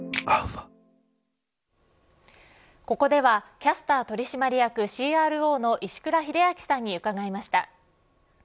ここではキャスター取締役ＣＲＯの石倉秀明さんに伺いました。